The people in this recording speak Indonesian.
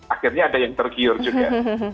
akhirnya ada yang tergiur juga